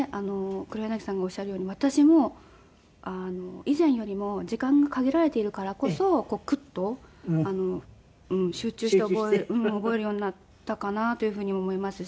黒柳さんがおっしゃるように私も以前よりも時間が限られているからこそクッと集中して覚えるようになったかなというふうに思いますし。